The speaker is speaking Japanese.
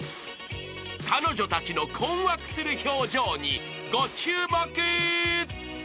［彼女たちの困惑する表情にご注目］